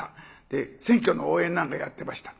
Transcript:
で選挙の応援なんかやってました。